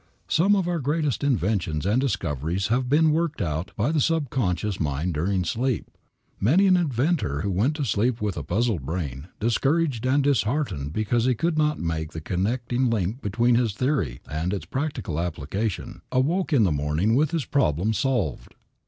Some of our greatest inventions and discoveries have been worked out by the subconscious mind during sleep. Many an inventor who went to sleep with a puzzled brain, discouraged and disheartened because he could not make the connecting link between his theory and its practical application, awoke in the morning with his problem solved.